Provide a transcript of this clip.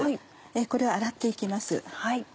これを洗って行きます。